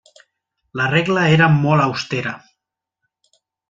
La regla era molt austera.